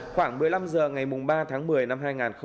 khoảng một mươi năm h ngày ba tháng một mươi năm hai nghìn một mươi chín